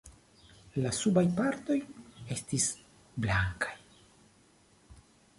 La subaj partoj estis blankaj.